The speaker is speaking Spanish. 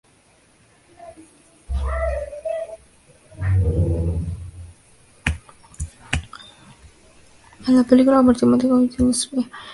La película convirtió a Mónica Vitti en una estrella internacional.